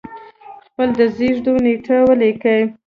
خپل د زیږی و نېټه ولیکل